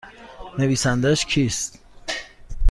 نویسندهاش کیست؟